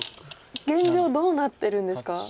現状どうなってるんですか？